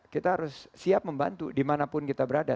kita harus siap membantu dimanapun kita berada